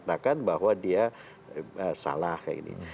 menyatakan bahwa dia salah kayak gini